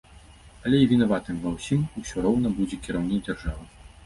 Але і вінаватым ва ўсім усё роўна будзе кіраўнік дзяржавы.